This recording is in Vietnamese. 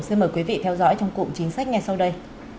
xin mời quý vị theo dõi trong cụm chính sách ngay sau đây